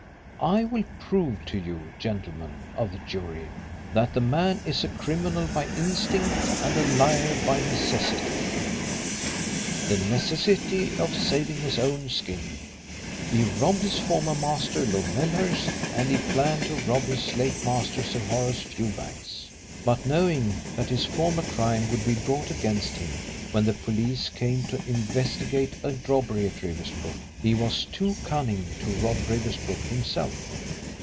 "I will prove to you, gentlemen of the jury, that the man is a criminal by instinct and a liar by necessity the necessity of saving his own skin. He robbed his former master, Lord Melhurst, and he planned to rob his late master, Sir Horace Fewbanks. But knowing that his former crime would be brought against him when the police came to investigate a robbery at Riversbrook he was too cunning to rob Riversbrook himself.